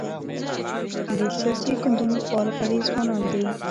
د سیاسي ګوندونو فعال غړي ځوانان دي.